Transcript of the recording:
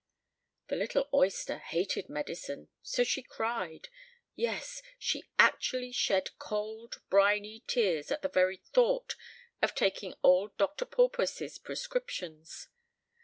The little oyster hated medicine; so she cried, yes, she actually shed cold, briny tears at the very thought of taking old Dr. Porpoise's prescriptions.